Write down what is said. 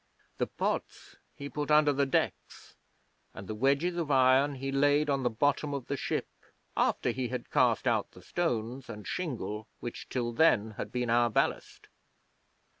The pots he put under the decks, and the wedges of iron he laid on the bottom of the ship after he had cast out the stones and shingle which till then had been our ballast.